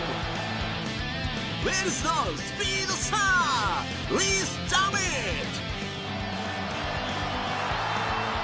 ウェールズのスピードスターリース・ザミット。